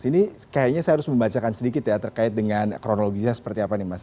ini kayaknya saya harus membacakan sedikit ya terkait dengan kronologinya seperti apa nih mas